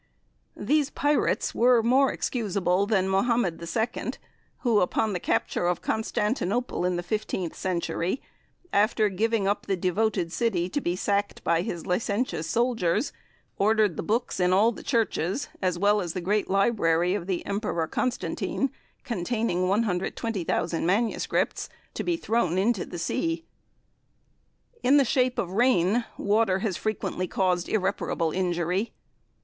These pirates were more excusable than Mohammed II who, upon the capture of Constantinople in the 15th century, after giving up the devoted city to be sacked by his licentious soldiers, ordered the books in all the churches as well as the great library of the Emperor Constantine, containing 120,000 Manuscripts, to be thrown into the sea. In the shape of rain, water has frequently caused irreparable injury.